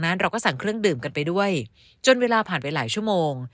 เราก็สั่งเครื่องดื่มกันไปด้วยจนเวลาผ่านไปหลายชั่วโมง